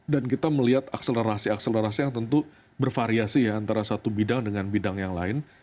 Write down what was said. dan kita melihat akselerasi akselerasi yang tentu bervariasi ya antara satu bidang dengan bidang yang lain